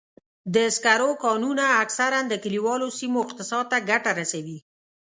د سکرو کانونه اکثراً د کلیوالو سیمو اقتصاد ته ګټه رسوي.